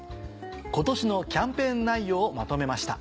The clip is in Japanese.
今年のキャンペーン内容をまとめました。